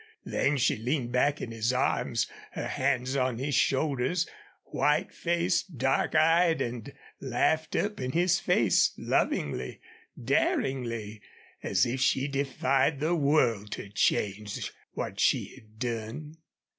Then she leaned back in his arms, her hands on his shoulders, white faced, dark eyed, and laughed up in his face, lovingly, daringly, as if she defied the world to change what she had done.